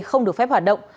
không được phép hoạt động